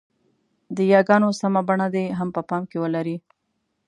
د ی ګانو سمه بڼه دې هم په پام کې ولري.